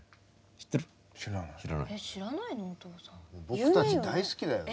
僕たち大好きだよね。